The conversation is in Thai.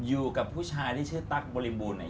อยู่กับผู้ชายที่ชื่อตั๊กบริบูรณเนี่ย